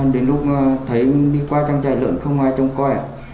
đến lúc thấy đi qua trang trại lượn không ai trông coi ạ